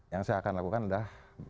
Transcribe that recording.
yang saya akan lakukan adalah